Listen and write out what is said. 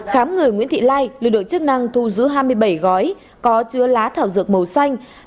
khám người nguyễn thị lai lực lượng chức năng thu giữ hai mươi bảy gói có chứa lá thảo dược màu xanh